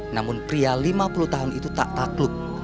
namun pria lima puluh tahun itu tak takluk